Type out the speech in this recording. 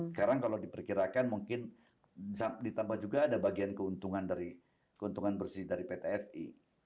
sekarang kalau diperkirakan mungkin ditambah juga ada bagian keuntungan dari keuntungan bersih dari pt fi